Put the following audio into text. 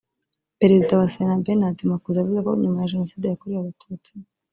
Perezida wa Sena Bernard Makuza yavuze ko nyuma ya Jenoside yakorewe Abatutsi